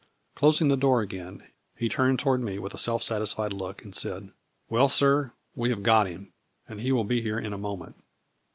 Closing the door again, he turned toward me with a self satisfied look, and said :" Well, sir, we have got him, and he will be here in a moment."